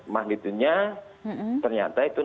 magnitudo nya ternyata itu enam sembilan